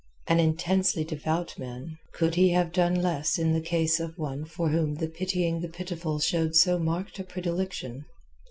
An intensely devout man, could he have done less in the case of one for whom the Pitying the Pitiful showed so marked a predilection?